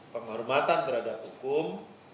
penghormatan terhadap hukum